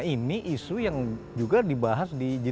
nah ini isu yang juga dibahas di jenderal